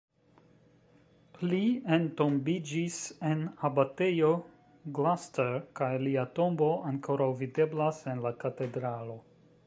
Li entombiĝis en Abatejo Gloucester kaj lia tombo ankoraŭ videblas en la katedralo.